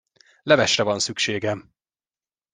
Levesre van szükségem!